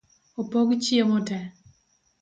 Opog chiemo tee.